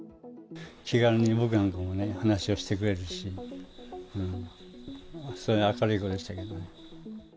気軽に僕なんかにもね、話をしてくれるし、そういう明るい子でしたけどね。